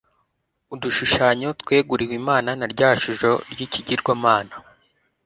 udushushanyo tweguriwe imana na rya shusho ry'ikigirwamana